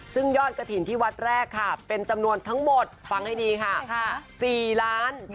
ซึ่งยอดกระถิ่นที่วัดแรกค่ะเป็นจำนวนทั้งหมดฟังให้ดีค่ะ